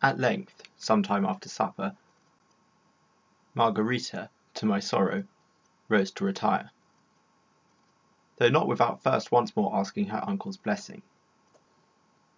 At length, some time after supper, Margarita, to my sorrow, rose to retire, though not without first once more asking her uncle's blessing.